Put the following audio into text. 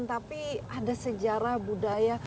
tapi ada sejarah budaya